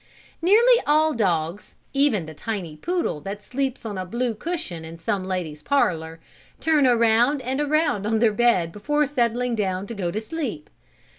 Nearly all dogs even the tiny poodle that sleeps on a blue cushion in some lady's parlor turn around and around on their bed before settling down to go to sleep.